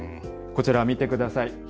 こちら見てください。